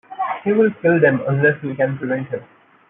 He will kill them unless we can prevent him.